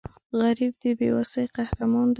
غریب د بې وسۍ قهرمان دی